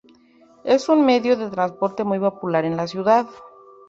Es un medio de transporte muy popular en la ciudad.